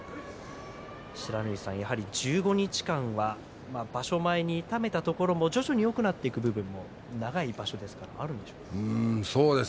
不知火さん、やはり１５日間は場所前に痛めたところも徐々によくなっていく部分も長い場所ですからあるんですかね。